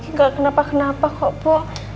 kiki gak kenapa kenapa kok bu